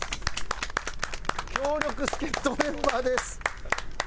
強力助っ人メンバーです。